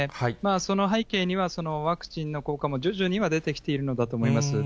その背景には、ワクチンの効果も徐々には出てきているのだと思います。